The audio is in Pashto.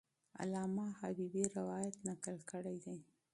علامه حبیبي روایت نقل کړی دی.